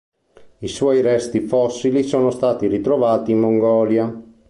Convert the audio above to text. I suoi resti fossili sono stati ritrovati in Mongolia.